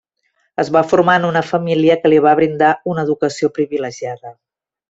Es va formar en una família que li va brindar una educació privilegiada.